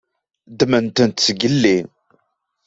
Ddment-tent zgelli.